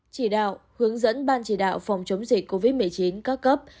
chỉ đạo hướng dẫn ban chỉ đạo phòng chống dịch covid một mươi chín các cấp